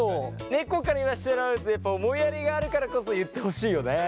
猫から言わせてもらうとやっぱ思いやりがあるからこそ言ってほしいよね。